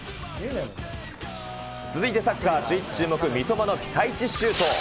続いてサッカー、シューイチ注目、三笘のピカイチシュート。